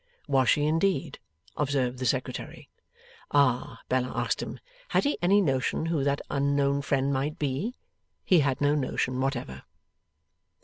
Was she, indeed? observed the Secretary. Ah! Bella asked him, had he any notion who that unknown friend might be? He had no notion whatever.